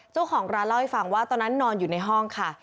เจ้าของร้านเล่าให้ฟังว่าตอนนั้นนอนอยู่ในห้องค่ะ